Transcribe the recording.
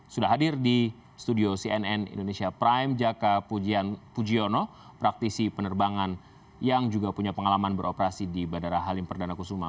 sudah hadir di studio cnn indonesia prime jaka pujiono praktisi penerbangan yang juga punya pengalaman beroperasi di bandara halim perdana kusuma